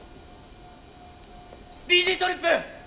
ＤＧトリップ！